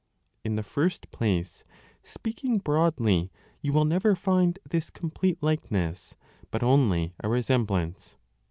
In the first place, speaking broadly, you will never 15 find this complete likeness, but only a resemblance.